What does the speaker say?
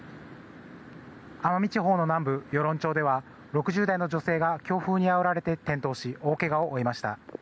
奄美地方の南部、与論町では６０代の女性が強風にあおられて転倒し大けがを負いました。